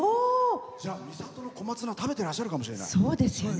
じゃあ、三郷の小松菜食べていらっしゃるかもしれない。